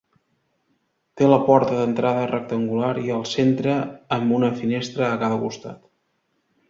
Té la porta d'entrada rectangular i al centre, amb una finestra a cada costat.